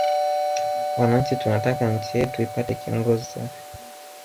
Wananchi tunataka nchi yetu ipate kiongozi safi